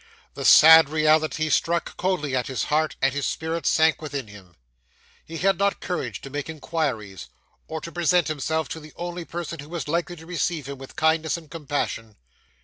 The sad reality struck coldly at his heart, and his spirit sank within him. He had not courage to make inquiries, or to present himself to the only person who was likely to receive him with kindness and compassion.